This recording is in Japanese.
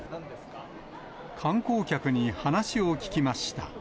観光客に話を聞きました。